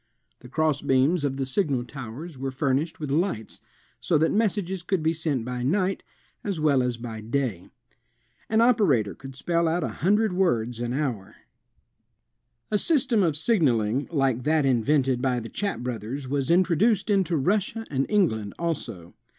The cross beams of the signal towers were furnished with lights, so that messages could be sent by night as well as by day. An operator could spell out a hun dred words an hour. A S}'stem of signaling like that invented by the Chappe brothers was introduced into Russia and England also.